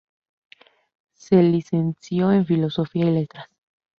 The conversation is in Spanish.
Se licenció en Filosofía y Letras.